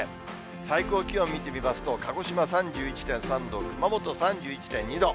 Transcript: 最高気温見てみますと、鹿児島３１．３度、熊本３１．２度。